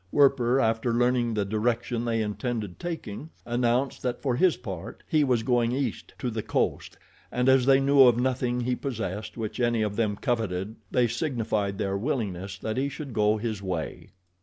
Werper, after learning the direction they intended taking, announced that for his part, he was going east to the coast, and as they knew of nothing he possessed which any of them coveted, they signified their willingness that he should go his way.